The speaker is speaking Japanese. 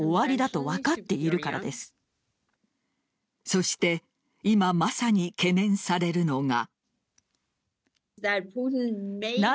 そして、今まさに懸念されるのが。